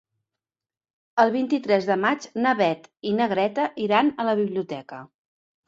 El vint-i-tres de maig na Beth i na Greta iran a la biblioteca.